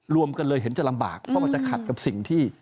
รวมกันเลยเห็นจะลำบากเพราะมันจะขัดกับสิ่งที่